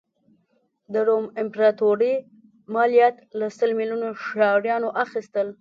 د روم امپراتوري مالیات له سل میلیونه ښاریانو اخیستل.